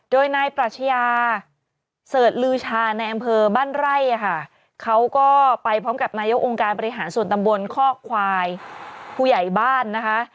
โดยนายปรัชญาเสิร์ชลือชาในอำเภอบ้านไร่ค่ะเขาก็ไปพร้อมกับนายกองค์การบริหารส่วนตำบลคอกควายผู้ใหญ่บ้านนะคะ